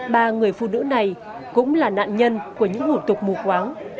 ba người phụ nữ này cũng là nạn nhân của những hủ tục mù quáng